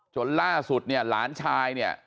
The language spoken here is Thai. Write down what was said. จนล่าสุดเนี่ยหลานชายเนี่ย